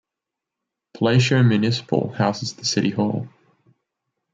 Palacio Municipal houses the City Hall.